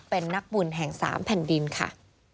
เป็นนักบุญแห่ง๓แผ่นดินค่ะ